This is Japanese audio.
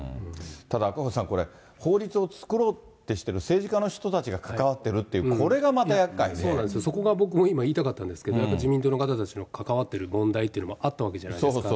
ただ、赤星さん、法律を作ろうってしてる政治家の人たちが関わってるっていう、そうなんですよ、そこが僕も言いたかったんですけれども、自民党の方たちの関わってる問題っていうのもあったわけじゃないですか。